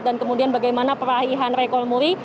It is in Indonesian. dan kemudian bagaimana perahihan rekor muri